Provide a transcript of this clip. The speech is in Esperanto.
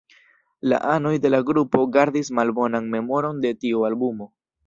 La anoj de la grupo gardis malbonan memoron de tiu albumo.